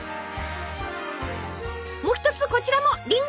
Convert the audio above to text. も一つこちらもりんご！